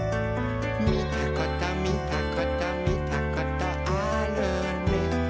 「みたことみたことみたことあるね」